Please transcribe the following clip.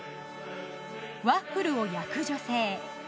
ワッフルを焼く女性。